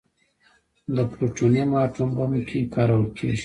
د پلوټونیم اټوم بم کې کارول کېږي.